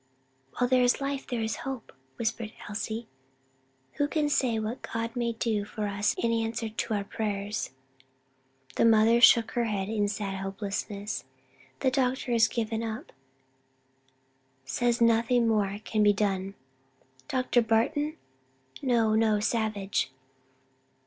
"While there is life there is hope," whispered Elsie, "who can say what God may do for us in answer to our prayers?" The mother shook her head in sad hopelessness. "The doctor has given him up; says nothing more can be done." "Dr. Barton?" "No, no, Savage.